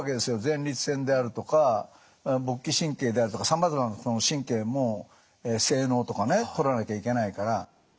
前立腺であるとか勃起神経であるとかさまざまな神経も精のうとかね取らなきゃいけないから。